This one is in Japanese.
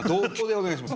お願いします。